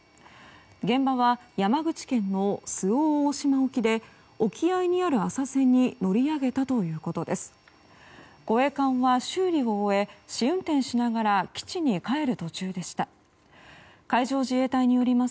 現場は山口県の周防大島沖で沖合にある浅瀬に乗り上げたということです。